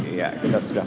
ya kita sudah